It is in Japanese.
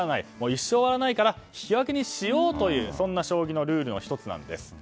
一生終わらないから引き分けにしようという将棋のルールの１つなんです。